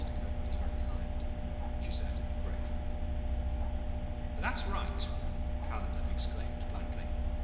Kirkwood is very kind," she said gravely. "That's right!" Calendar exclaimed blandly.